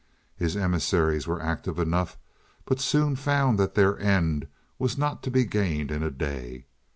His emissaries were active enough, but soon found that their end was not to be gained in a day.